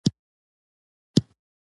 زغم د پوخوالي ښکارندوی دی.